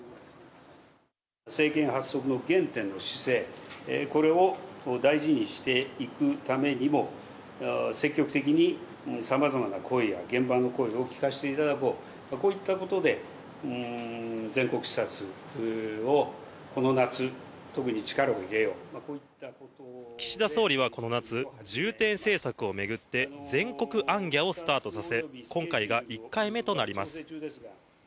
政権発足の原点の姿勢、これを大事にしていくためにも、積極的にさまざまな声や、現場の声を聞かせていただこう、こういったことで、全国視察をこの夏、岸田総理はこの夏、重点政策を巡って、全国行脚をスタートさせ、今回が１回目となります。